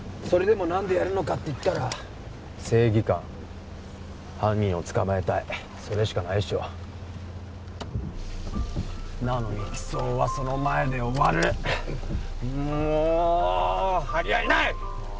それでも何でやるのかっていったら正義感犯人を捕まえたいそれしかないっしょなのに機捜はその前で終わるもう張り合いないっ！